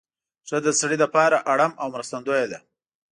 ښځه د سړي لپاره اړم او مرستندویه ده